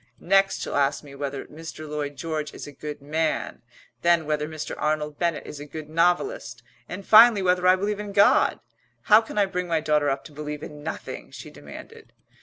Next she'll ask me whether Mr. Lloyd George is a good man, then whether Mr. Arnold Bennett is a good novelist, and finally whether I believe in God. How can I bring my daughter up to believe in nothing?" she demanded.